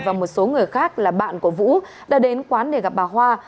và một số người khác là bạn của vũ đã đến quán để gặp bà hoa